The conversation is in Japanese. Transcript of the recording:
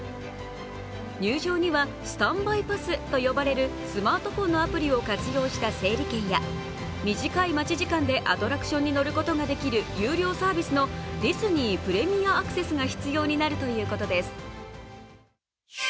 入場にはスタンバイパスと呼ばれるスマートフォンのアプリを活用した整理券や、短い待ち時間でアトラクションに乗ることができる有料サービスのディズニー・プレミアアクセスが必要になるということです。